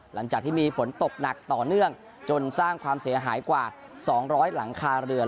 หลังจากที่มีฝนตกหนักต่อเนื่องจนสร้างความเสียหายกว่า๒๐๐หลังคาเรือน